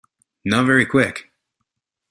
Not very Quick.